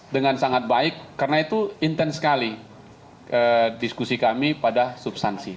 dengan sangat baik karena itu intens sekali diskusi kami pada substansi